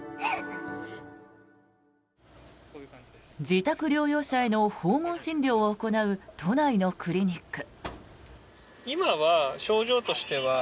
自宅療養者への訪問診療を行う都内のクリニック。